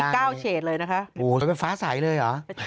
อุ้ยมี๙เฉศเลยนะคะโอ้โหมันเป็นฟ้าใสเลยหรอ